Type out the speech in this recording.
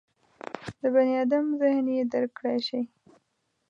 د بني ادم ذهن یې درک کړای شي.